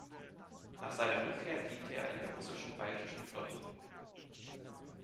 Nach seiner Rückkehr diente er in der russischen Baltischen Flotte.